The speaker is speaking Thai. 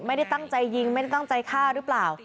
ไม่ได้ตั้งใจยิงไม่ได้ตั้งใจฆ่าหรือเปล่า